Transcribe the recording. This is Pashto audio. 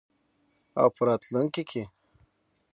او په راتلونکي کې.